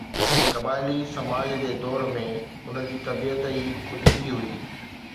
قبائلي سماج جي دور ۾ ان جي طبيعت ئي ڪجهه ٻي هئي.